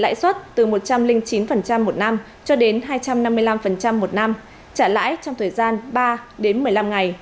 lãi suất từ một trăm linh chín một năm cho đến hai trăm năm mươi năm một năm trả lãi trong thời gian ba đến một mươi năm ngày